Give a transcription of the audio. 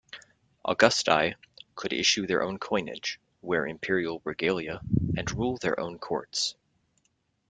"Augustae" could issue their own coinage, wear imperial regalia, and rule their own courts.